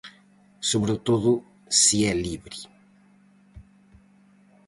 Sobre todo se é libre.